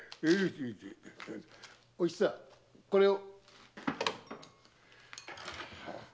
おひさこれを。